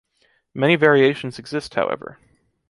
Many variations exist, however.